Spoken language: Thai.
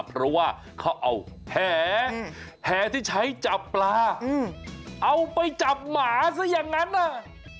เพราะว่าเขาเอาแห่ที่ใช้จับปลาเอาไปจับหมาซะอย่างนั้นน่ะ